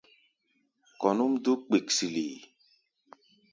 Kɔ̧ núʼm dúk kpiksilik.